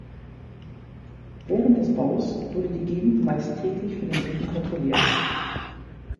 Während des Baus wurde die Gegend meist täglich von den Briten kontrolliert.